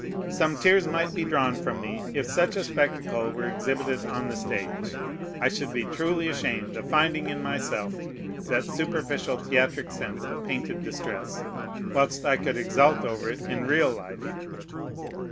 Some tears might be drawn from me, if such a spectacle were exhibited on the stage. I should be truly ashamed of finding in myself that superficial, theatric sense of painted distress, whilst I could exult over it in real life.